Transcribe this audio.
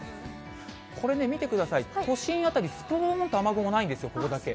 これ見てください、都心辺り、すとーんと雨雲ないんですよ、ここだけ。